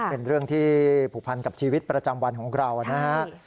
เป็นเรื่องที่ผูกพันกับชีวิตประจำวันของเรานะฮะ